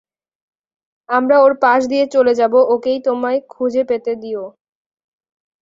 আমরা ওর পাশ দিয়ে চলে যাবো, ওকেই তোমায় খুঁজে পেতে দিও।